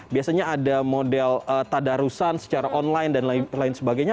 biasanya ada model tadarusan secara online dan lain sebagainya